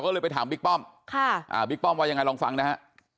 ก็เลยไปถามบิ๊กป้อมบิ๊กป้อมว่ายังไงลองฟังนะฮะ